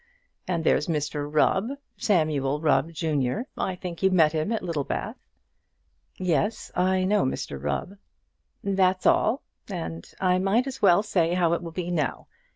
And there's Mr Rubb, Samuel Rubb, junior. I think you met him at Littlebath." "Yes; I know Mr Rubb." "That's all; and I might as well say how it will be now.